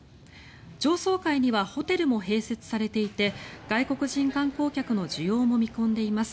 上層階にはホテルも併設されていて外国人観光客の需要も見込んでいます。